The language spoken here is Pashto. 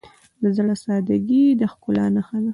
د زړه سادگی د ښکلا نښه ده.